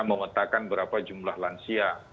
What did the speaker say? memetakan berapa jumlah lansia